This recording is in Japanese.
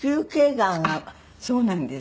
そうなんです。